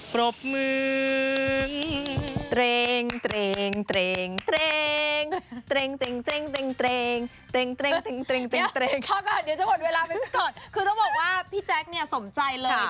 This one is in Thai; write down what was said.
คือต้องบอกว่าพี่แจ๊คเนี่ยสมใจเลย